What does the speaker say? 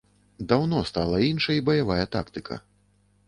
Даўно стала іншай баявая тактыка.